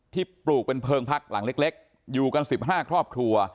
ปลูกเป็นเพลิงพักหลังเล็กอยู่กัน๑๕ครอบครัว